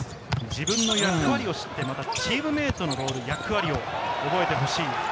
自分の役割を知ってチームメートのロール、役割を覚えてほしい。